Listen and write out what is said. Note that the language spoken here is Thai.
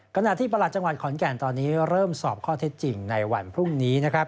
ขณะที่ประหลัดจังหวัดขอนแก่นตอนนี้เริ่มสอบข้อเท็จจริงในวันพรุ่งนี้นะครับ